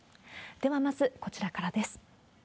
ではまずこちらからです。